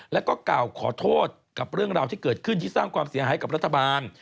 แล้วก็กล่าวขอโทษกับเรื่องราวที่เกิดขึ้นที่สร้างความเสียหายกับรัฐบาล